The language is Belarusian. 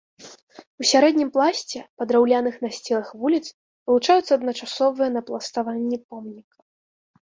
У сярэднім пласце па драўляных насцілах вуліц вылучаюцца адначасовыя напластаванні помніка.